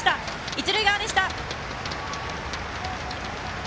一塁側でした。